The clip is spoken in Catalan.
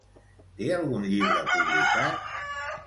Té algun llibre publicat?